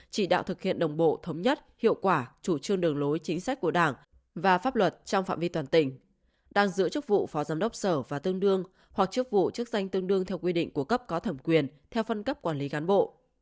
chỉ đạo thực hiện đồng bộ thống nhất hiệu quả chủ trương đường lối chính sách của đảng và pháp luật trong phạm vi toàn tỉnh đang giữ chức vụ phó giám đốc sở và tương đương hoặc chức vụ chức danh tương đương theo quy định của cấp có thẩm quyền theo phân cấp quản lý cán bộ